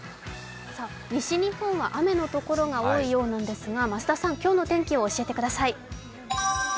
西日本は雨のところが多いようなんですが増田さん、今日の天気を教えてください。